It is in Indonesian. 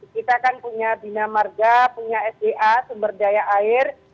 kita akan punya dinamarga punya sda sumber daya air